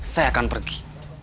saya akan pergi